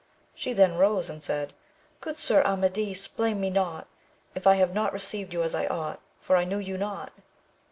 She then rose and said, Good sir Amadis, blame me not, if I have not received you as I ought, for I knew you not.